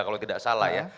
kalau tidak salah ya